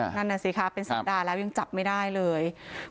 นั่นน่ะสิคะเป็นสัปดาห์แล้วยังจับไม่ได้เลย